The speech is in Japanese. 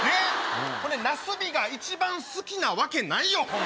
なすびが一番好きなわけないよ！